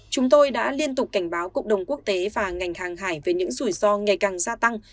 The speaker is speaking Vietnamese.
chúng tôi đã liên tục cảnh báo cộng đồng quốc tế và ngành hàng hải về những rủi ro ngày càng gia tăng